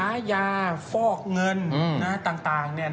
ค่าเยาะเฟาคเงินต่าง